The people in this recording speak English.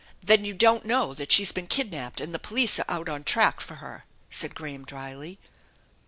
" Then you don't know f'at she's been kidnapped and the police are out on track for her?" said Graham dryly.